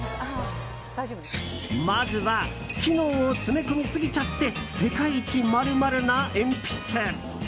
まずは機能を詰め込みすぎちゃって世界一○○な鉛筆！